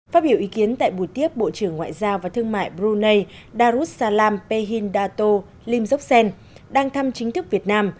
phát biểu ý kiến tại buổi tiếp bộ trưởng ngoại giao và thương mại brunei darussalam pehindato lim joksen đang thăm chính thức việt nam